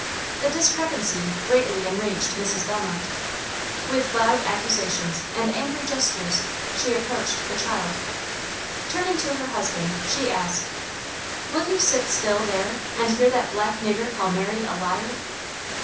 The discrepancy greatly enraged Mrs. Bellmont. With loud accusations and angry gestures she approached the child. Turning to her husband, she asked, "Will you sit still, there, and hear that black nigger call Mary a liar?"